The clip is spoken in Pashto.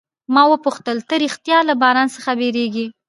ما وپوښتل، ته ریښتیا له باران څخه بیریږې؟